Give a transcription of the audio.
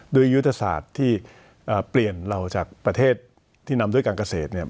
ยุทธศาสตร์ที่เปลี่ยนเราจากประเทศที่นำด้วยการเกษตรเนี่ย